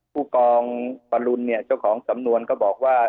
ผู้กองปรรุนเจ้าของสำนวนก็บอกว่า